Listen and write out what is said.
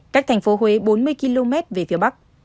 cách thành phố huế bốn mươi km về phía bắc